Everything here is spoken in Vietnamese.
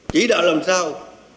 chỉ đạo làm sao